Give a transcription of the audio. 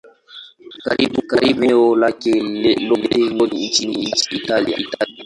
Karibu eneo lake lote ni nchi ya Italia.